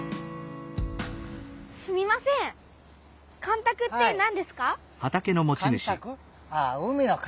すみません干たくって何ですか？